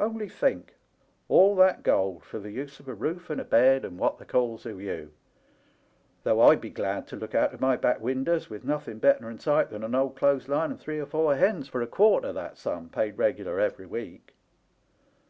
Only think I all that gold for the use of a roof and a bed, and what they calls a wiew !— though I'd be glad to look out of my back winders with nothing better in sight than an old clothes line and three or four hens for a quarter that sum, paid regular every week.